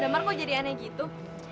kamar kok jadi aneh gitu